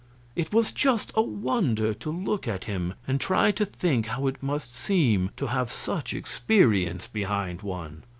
It was just a wonder to look at him and try to think how it must seem to have such experience behind one.